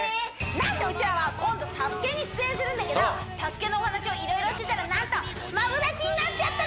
なんとうちらは今度「ＳＡＳＵＫＥ」に出演するんだけど「ＳＡＳＵＫＥ」のお話を色々してたらなんとマブダチになっちゃった